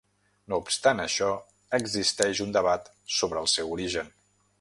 No obstant això, existeix un debat sobre el seu origen.